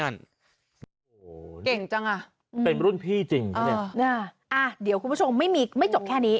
อ่ะเดี๋ยวคุณผู้ชมไม่จบแค่นี้